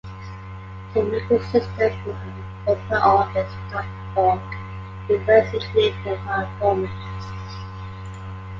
Sun Microsystems and OpenOffice dot org reverse engineered the file format.